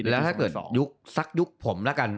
แล้วถ้าเกิดยุคสักยุคผมแล้วกัน